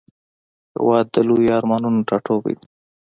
هېواد د لویو ارمانونو ټاټوبی دی.